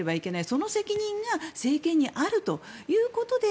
その責任が政権にあるということで